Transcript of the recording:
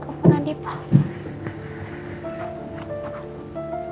telepon adi pak